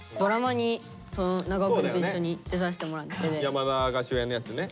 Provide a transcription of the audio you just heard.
山田が主演のやつね。